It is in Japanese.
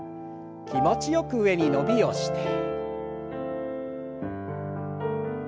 気持ちよく上に伸びをして。